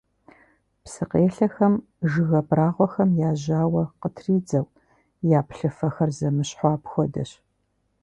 Псыкъелъэхэм жыг абрагъуэхэм я жьауэ къытридзэу, я плъыфэхэр зэмыщхьу апхуэдэщ.